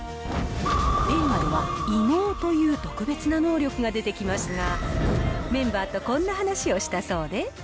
映画では、異能という特別な能力が出てきますが、メンバーとこんな話をしたそうで。